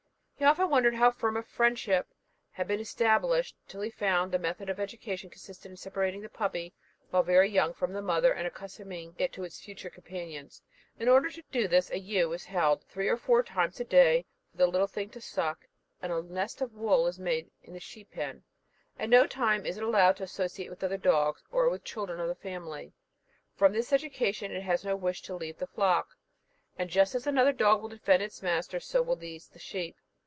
He often wondered how so firm a friendship had been established, till he found that the method of education consisted in separating the puppy, while very young, from the mother, and in accustoming it to its future companions. In order to do this, a ewe is held three or four times a day for the little thing to suck, and a nest of wool is made for it in the sheep pen. At no time is it allowed to associate with other dogs, or with the children of the family. From this education, it has no wish to leave the flock, and just as another dog will defend his master, so will these the sheep.